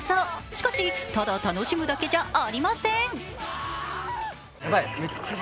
しかし、ただ楽しむだけじゃありません！